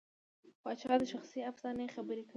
پاچا د شخصي افسانې خبره کوي.